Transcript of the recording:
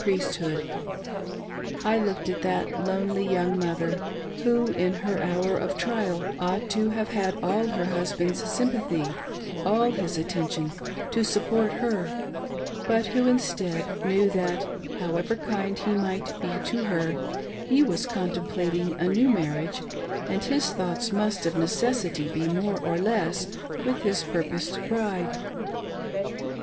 Eriesthood. I looked at that lonely young mother, who in her hour of trial ought to have had all her husband's sympathy, , all his attention, to support her ; but who, instead, knew that, however kind he might be to her, he was contemplating a new marriage, and his thoughts must of necessity be more or less, with his purposed bride.